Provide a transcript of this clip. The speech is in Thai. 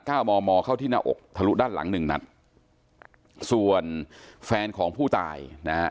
มอมอเข้าที่หน้าอกทะลุด้านหลังหนึ่งนัดส่วนแฟนของผู้ตายนะฮะ